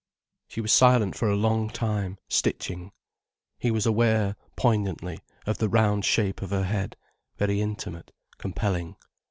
She was silent for a long time, stitching. He was aware, poignantly, of the round shape of her head, very intimate, compelling.